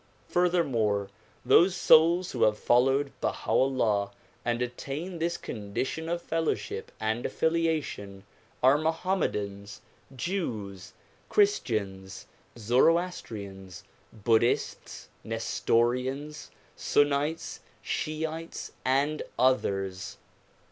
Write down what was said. Furthermore, those souls who have followed Baha 'Ullah and attained this condition of fellowship and affiliation are Moham medans, Jews, Christians, Zoroastrians, Buddhists, Nestorians, Sunnites, Shiites and others.